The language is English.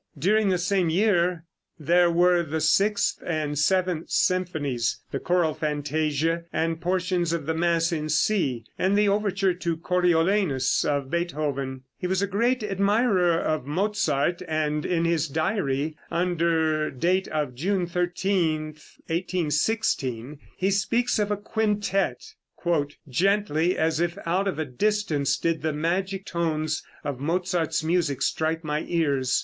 During the same year there were the sixth and seventh symphonies, the choral fantasia and portions of the mass in C, and the overture to "Coriolanus," of Beethoven. He was a great admirer of Mozart, and in his diary, under date of June 13, 1816, he speaks of a quintette: "Gently, as if out of a distance, did the magic tones of Mozart's music strike my ears.